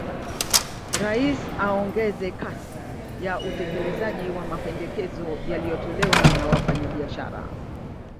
Rais aongeze kasi ya utekelezaji wa mapendekezo yaliyotolewa na Wafanyabiashara